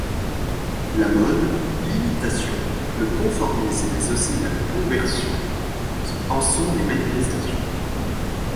La mode, l'imitation, le conformisme, mais aussi la conversion en sont des manifestations.